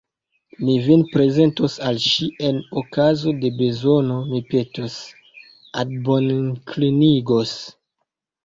Mi vin prezentos al ŝi, en okazo de bezono mi petos, admoninklinigos.